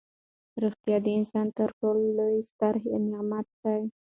روغتیا د انسان تر ټولو ستر نعمت دی.